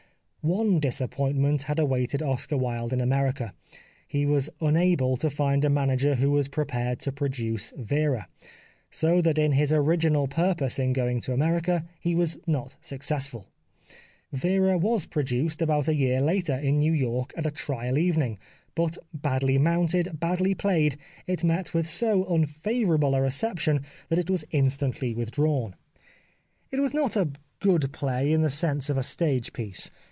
One disappointment had awaited Oscar Wilde in America ; he was unable to find a manager who was prepared to produce '' Vera," so that in his original purpose in going to America he was not successful. " Vera " was produced about a year later in New York at atrial evening, but badly mounted, badly played, it met with so unfavour able a reception that it was instantly withdrawn. It was not a good play in the sense of a stage piece.